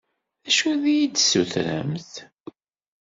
D acu i yi-d-tessutremt?